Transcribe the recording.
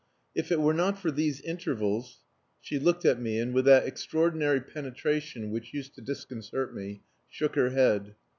If it were not for these intervals...." She looked at me and, with that extraordinary penetration which used to disconcert me, shook her head.